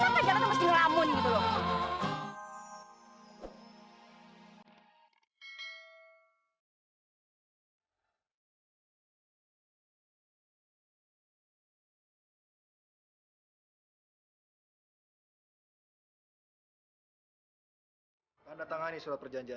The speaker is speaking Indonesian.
kenapa jangan sama si ramon gitu loh